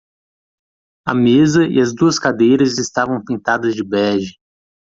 A mesa e as duas cadeiras estavam pintadas de bege.